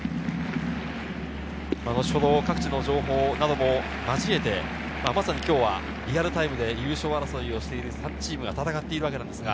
後ほど各地の情報なども交えて今日はリアルタイムで優勝争いをしている３チームが戦っています。